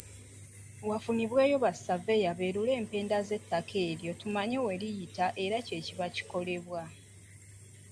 Wafunibweeyo ba Surveyor beerule empenda z'ettaka eryo tumanye weriyita era kye kiba kikolebwa.